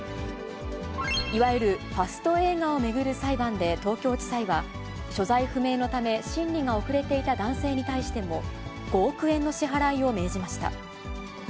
いわゆるファスト映画を巡る裁判で東京地裁は、所在不明のため、審理が遅れていた男性に対しても５億円の支払いを命じました。